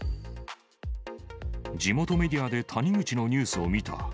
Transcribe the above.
地元メディアで谷口のニュースを見た。